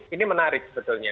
ini menarik sebetulnya